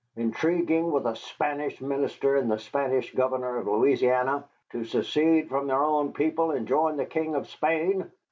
Intriguing with a Spanish minister and the Spanish governor of Louisiana to secede from their own people and join the King of Spain.